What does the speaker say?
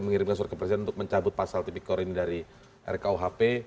mengirimkan surat ke presiden untuk mencabut pasal tipikor ini dari rkuhp